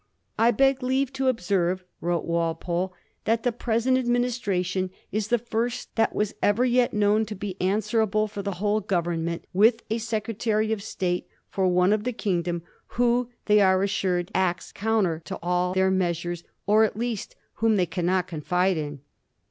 ^I beg leave to observe/ wrote Walpole, ' that the present administration is the first that was ever yet known to be answerable for the whole Govern ment with a Secretary of State for one part of the kingdom who, they are assured, acts counter to aU their measures, or at least whom they cannot confide in.'